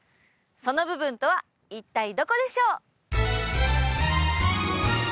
その部分とは一体どこでしょう？